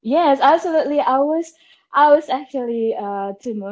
ya benar saya sebenarnya terlalu teruja